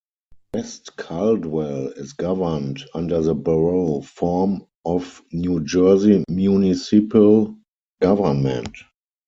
West Caldwell is governed under the Borough form of New Jersey municipal government.